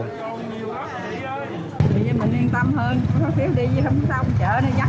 tại vì mình yên tâm hơn